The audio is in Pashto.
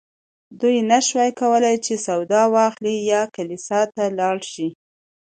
دوی نه شوای کولی چې سودا واخلي یا کلیسا ته لاړ شي.